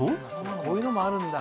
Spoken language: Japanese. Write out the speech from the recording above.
こういうのもあるんだ。